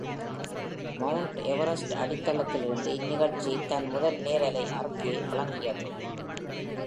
Mount Everest அடித்தளத்திலிருந்து, இந்நிகழ்ச்சி தன் முதல் நேரலை அறிக்கையை வழங்கியது.